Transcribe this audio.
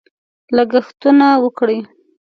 لګښتونه وکړي.